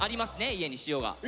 家に塩が。